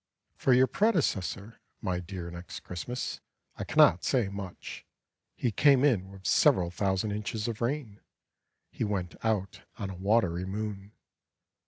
For your predecessor, My dear Next Christmas, I cannot say much. He came in with several thousand inches of rain; He went out on a watery moon.